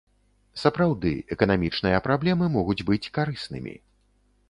Сапраўды, эканамічныя праблемы могуць быць карыснымі.